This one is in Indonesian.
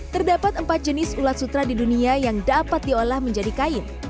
terdapat empat jenis ulat sutra di dunia yang dapat diolah menjadi kain